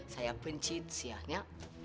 saya bencin sianya